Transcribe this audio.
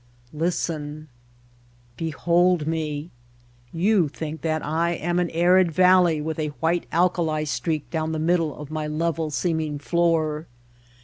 Listen : "Behold me! You think that I am an arid valley with a white alkali streak down the middle of my level seeming floor.